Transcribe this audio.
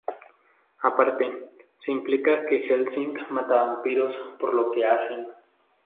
Aparte, se implica que Hellsing mata vampiros por lo que "hacen".